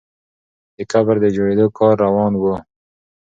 د قبر د جوړېدو کار روان وو.